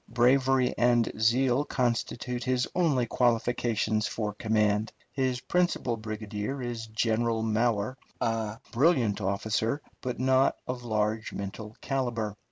Bravery and zeal constitute his only qualifications for command. His principal brigadier is General Mower, a brilliant officer, but not of large mental calibre.